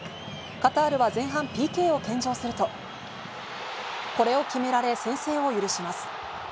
カタールは前半、ＰＫを献上すると、これを決められ、先制を許します。